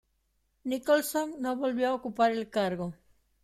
Nicholson no volvió a ocupar el cargo.